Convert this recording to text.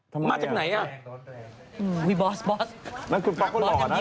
ก็เขาไม่ได้เป็นพระเอกไง